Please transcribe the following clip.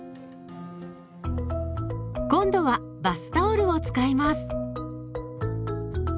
今度はバスタオルを使います。